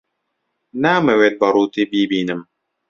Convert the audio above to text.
نامەوێت بە ڕووتی بیبینم.